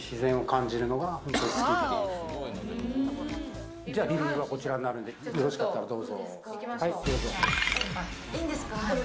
じゃあ、リビングがこちらになるんで、よろしかったらどうぞ。